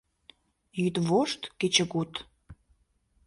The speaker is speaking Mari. — Йӱдвошт-кечыгут.